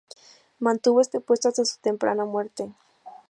Mantuvo este puesto hasta su temprana muerte.